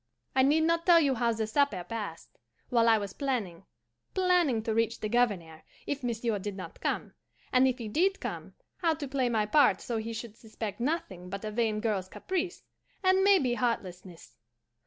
"I need not tell you how the supper passed, while I was planning planning to reach the Governor if monsieur did not come; and if he did come, how to play my part so he should suspect nothing but a vain girl's caprice, and maybe heartlessness.